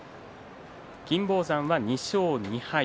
金峰山は２勝２敗。